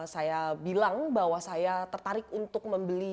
saya bilang bahwa saya tertarik untuk membeli